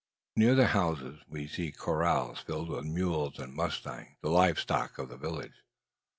Near the houses we see corrals filled with mules and mustangs, the live stock of the village.